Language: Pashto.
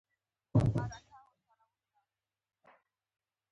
په کانونو کې یې د افریقایانو د کاروبار مخه ونیوله.